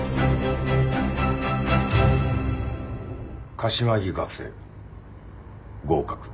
柏木学生合格。